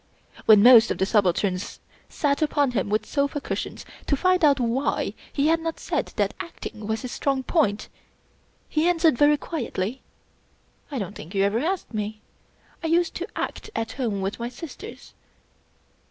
When most of the Subalterns sat upon him with sofa cush ions to And out why he had not said that acting was his strong point, he answered very quietly :" I don't think you ever asked me. I used to act at Home with my sisters."